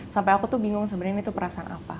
sampai aku tuh bingung sebenarnya ini tuh perasaan apa